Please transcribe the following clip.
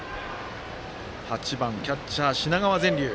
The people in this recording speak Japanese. バッター８番、キャッチャー、品川善琉。